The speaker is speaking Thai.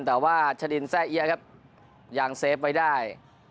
แต่ว่าชะดินแซ่เอี๊ยะครับยังเซฟไว้ได้